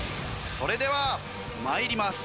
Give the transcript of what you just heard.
それでは参ります。